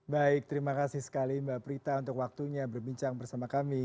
baik terima kasih sekali mbak prita untuk waktunya berbincang bersama kami